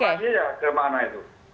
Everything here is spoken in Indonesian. konfirmasinya ya kemana itu